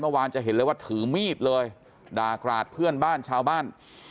เมื่อวานจะเห็นเลยว่าถือมีดเลยด่ากราดเพื่อนบ้านชาวบ้าน